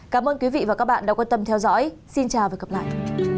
cảm ơn quý vị và các bạn đã quan tâm theo dõi xin chào và hẹn gặp lại